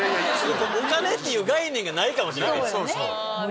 お金っていう概念がないかもしれない。